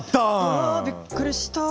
うわびっくりした。